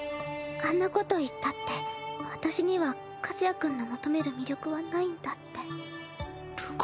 あんなこと言ったって私には和也君の求める魅力はないんだって。